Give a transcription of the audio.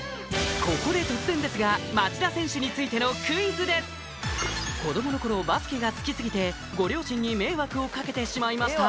ここで突然ですが町田選手についてのクイズです子どもの頃バスケが好きすぎてご両親に迷惑をかけてしまいました